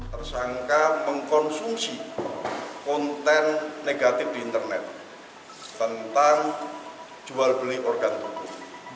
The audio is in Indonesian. tersangka mengkonsumsi konten negatif di internet tentang jual beli organ tubuh